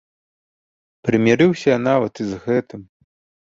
Прымірыўся я нават і з гэтым.